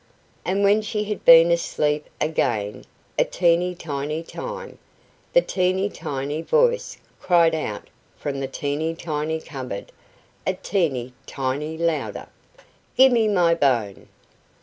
And when she had been asleep again a teeny tiny time, the teeny tiny voice cried out from the teeny tiny cupboard a teeny tiny louder "GIVE ME MY BONE!"